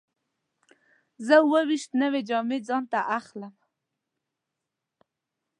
زه اووه ویشت نوې جامې ځان ته واخلم.